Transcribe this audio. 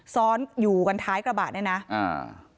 ซ้อนอยู่กันท้ายกระบะเนี่ยนะอ่า